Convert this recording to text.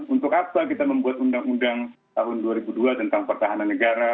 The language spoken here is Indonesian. untuk apa kita membuat undang undang tahun dua ribu dua tentang pertahanan negara